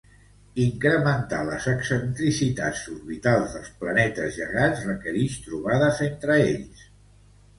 Incrementar les excentricitats orbitals dels planetes gegants requerix trobades entre ells.